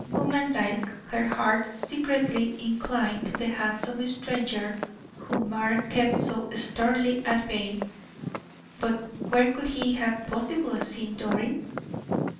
Woman like, her heart secretly inclined to the handsome stranger whom Mark kept so sternly at bay, but where could he have possibly seen Doris?